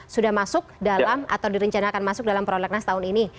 sudah masuk dalam atau direncanakan masuk dalam prolegnas tahun ini